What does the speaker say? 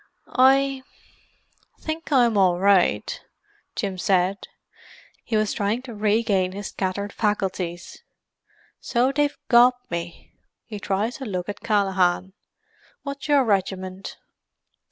"I ... think I'm all right," Jim said. He was trying to regain his scattered faculties. "So they've got me!" He tried to look at Callaghan. "What's your regiment?"